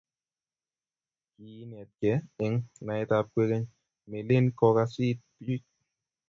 kiinetgei eng' naetab kwekeny melen kokas iit biik.